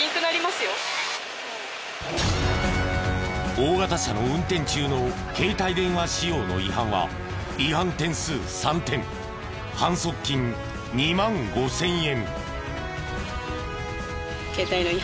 大型車の運転中の携帯電話使用の違反は違反点数３点反則金２万５０００円。